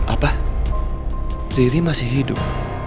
apa riri masih hidup